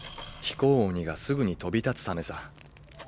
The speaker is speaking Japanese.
飛行おにがすぐに飛び立つためさ。